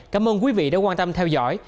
cảm ơn quý vị đã quan tâm theo dõi